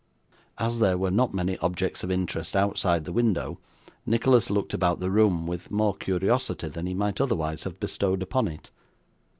As there were not many objects of interest outside the window, Nicholas looked about the room with more curiosity than he might otherwise have bestowed upon it.